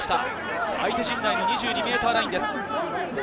相手陣内の２２ｍラインです。